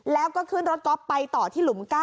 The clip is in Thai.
แล้วก็ขึ้นรถก๊อฟไปต่อที่หลุม๙